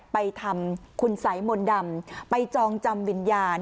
ไปทำคุณสัยมนต์ดำไปจองจำวิญญาณ